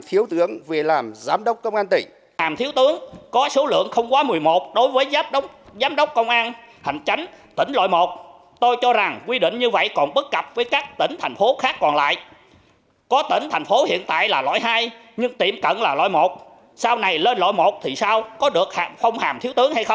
hàm thiếu tướng về làm giám đốc công an tỉnh